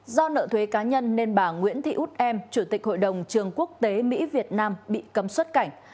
do nợ thuế cá nhân nên bà nguyễn thị út em chủ tịch hội đồng trường quốc tế mỹ việt nam bị cấm xuất cảnh